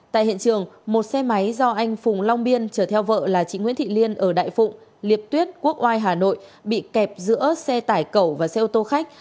tại hiện trường một xe máy do anh phùng long biên chở theo vợ là chị nguyễn thị liên ở đại phụng hiệp tuyết quốc oai hà nội bị kẹp giữa xe tải cẩu và xe ô tô khách